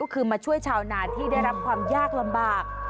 ก็คือมาช่วยชาวนาที่ได้รับความยากลำบาก